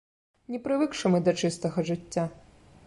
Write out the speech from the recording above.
Не прывыкшы мы да чыстага жыцця.